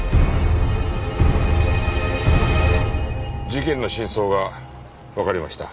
事件の真相がわかりました。